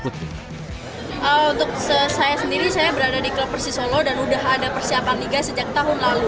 untuk saya sendiri saya berada di klub persisolo dan sudah ada persiapan liga